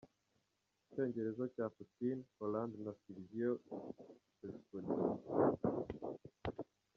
Icyongereza cya Putin, Hollande na Silvio Berlusconi.